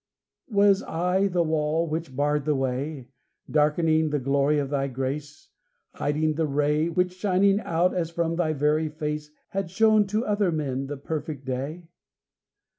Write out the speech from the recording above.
Was I the wall Which barred the way, Darkening the glory of Thy grace, Hiding the ray Which, shining out as from Thy very face, Had shown to other men the perfect day?